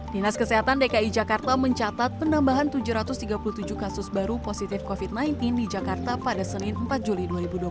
dinas kesehatan dki jakarta mencatat penambahan tujuh ratus tiga puluh tujuh kasus baru positif covid sembilan belas di jakarta pada senin empat juli dua ribu dua puluh satu